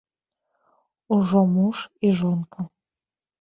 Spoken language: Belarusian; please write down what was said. Ужо муж і жонка.